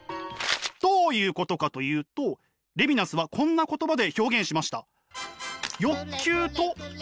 どういうことかというとレヴィナスはこんな言葉で表現しました。